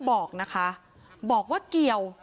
บอกนะคะบอกว่าเกี่ยว